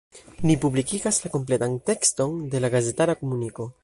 Ni publikigas la kompletan tekston de la gazetara komuniko.